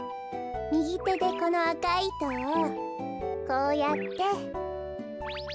みぎてでこのあかいいとをこうやって。